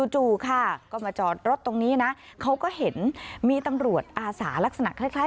จู่ค่ะก็มาจอดรถตรงนี้นะเขาก็เห็นมีตำรวจอาสาลักษณะคล้าย